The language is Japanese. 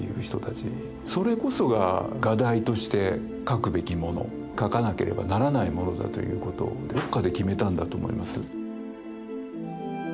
それこそが画題として描くべきもの描かなければならないものだということをどっかで決めたんだと思います。